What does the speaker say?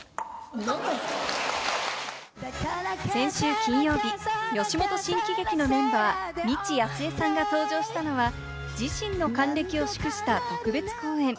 先週金曜日、吉本新喜劇のメンバー、未知やすえさんが登場したのは自身の還暦を祝した特別公演。